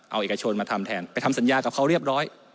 เอาเอกชนมาทำแทนไปทำสัญญากับเขาเรียบร้อย